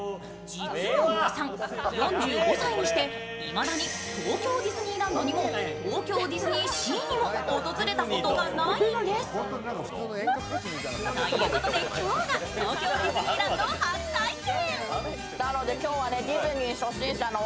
実は小田さん、４５歳にしていまだに東京ディズニーランドにも東京ディズニーシーにも訪れたことがないんです。ということで、今日が東京ディズニーランド初体験。